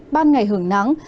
ban ngày hưởng nắng